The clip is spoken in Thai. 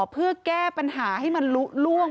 เพื่อแก้ปัญหาให้มันลุล่วง